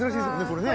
これね。